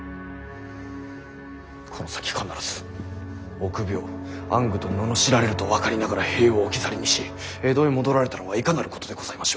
この先必ず臆病暗愚と罵られると分かりながら兵を置き去りにし江戸へ戻られたのはいかなることでございましょう。